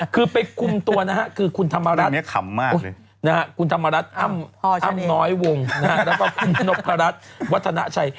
คือไปคุมตัวนะฮะคือคุณธรรมรัฐคุณธรรมรัฐอ้ำน้อยวงแล้วก็คุณนพรัชวัฒนาชัย